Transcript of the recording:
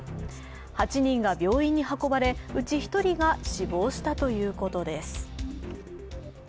８人が病院に運ばれ、うち１人が死亡したということです。